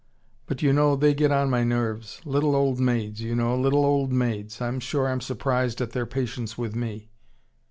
"But you know, they get on my nerves. Little old maids, you know, little old maids. I'm sure I'm surprised at their patience with me.